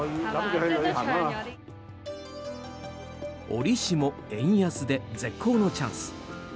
折しも円安で絶好のチャンス。